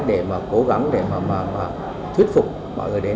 để mà cố gắng để mà thuyết phục mọi người đến